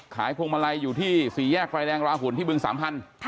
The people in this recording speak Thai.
ขายพวงมาลัยอยู่ที่ศรีแยกไกลแรงราหุ่นที่บึงสามพันธุ์